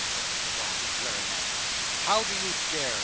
said Mr Dombey, glaring at her. "How do you dare?"